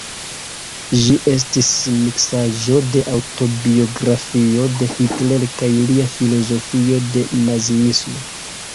Ĝi estas miksaĵo de aŭtobiografio de Hitler kaj lia filozofio de naziismo.